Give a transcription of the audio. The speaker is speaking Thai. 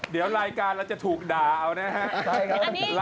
เดี๋ยวรายการเราจะถูกด่าเอานะครับ